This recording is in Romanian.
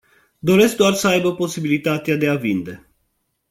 Doresc doar să aibă posibilitatea de a vinde.